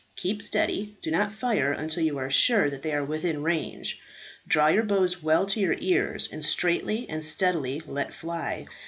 Keep steady; do not fire until you are sure that they are within range. Draw your bows well to your ears, and straightly and steadily let fly.